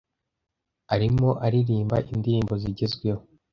Arimo aririmba indirimbo zigezweho.